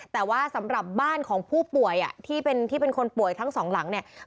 แต่ว่าสำหรับบ้านของผู้ป่วยที่เป็นที่เป็นคนป่วยทั้งสองหลังเนี่ย